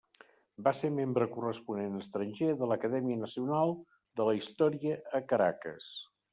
Va ser membre corresponent estranger de l'Acadèmia Nacional de la Història a Caracas.